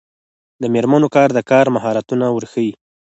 د میرمنو کار د کار مهارتونه ورښيي.